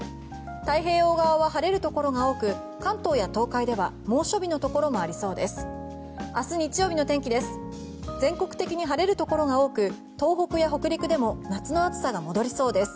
太平洋側は晴れるところが多く関東や東海では猛暑日のところもありそうです。